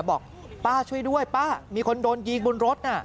บอกป้าช่วยด้วยป้ามีคนโดนยิงบนรถน่ะ